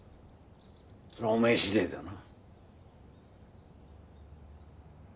それはお前次第だな。